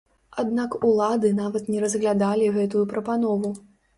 Аднак улады нават не разглядалі гэтую прапанову.